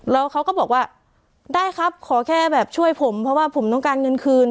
แล้วเขาก็บอกว่าได้ครับขอแค่แบบช่วยผมเพราะว่าผมต้องการเงินคืน